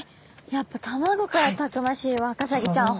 やっぱ卵からたくましいワカサギちゃん